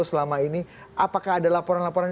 selama ini apakah ada laporan laporan